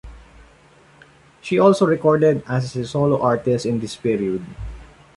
She also recorded as a solo artist in this period.